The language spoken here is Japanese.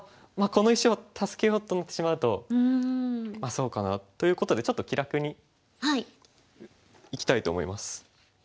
この石を助けようと思ってしまうとまあそうかな。ということでちょっと気楽にいきたいと思います。